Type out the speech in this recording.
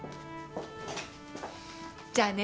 じゃあね。